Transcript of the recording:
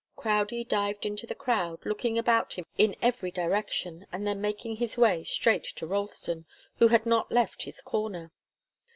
Crowdie dived into the crowd, looking about him in every direction, and then making his way straight to Ralston, who had not left his corner.